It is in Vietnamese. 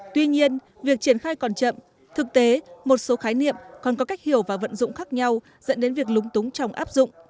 tuy nhiên việc triển khai còn chậm thực tế một số khái niệm còn có cách hiểu và vận dụng khác nhau dẫn đến việc lúng túng trong áp dụng